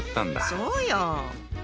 そうよ。